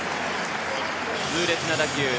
痛烈な打球。